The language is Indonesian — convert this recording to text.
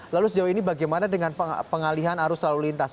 lalu sejauh ini bagaimana dengan pengalihan arus lalu lintas